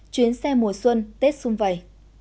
chuyến xe mùa xuân tết xung vầy